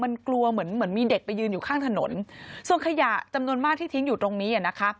มันกลัวเหมือนเหมือนมีเด็กไปยืนอยู่ข้างถนนส่วนขยะจำนวนมากที่ทิ้งอยู่ตรงนี้อ่ะนะคะ